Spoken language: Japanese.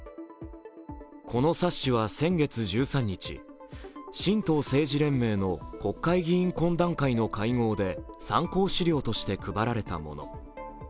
この冊子は先月１３日、神道政治連盟の国会議員懇談会の会合で参考資料として配られたもの。